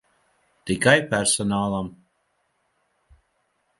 Tikai personālam.